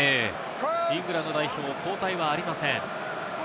イングランド代表、交代はありません。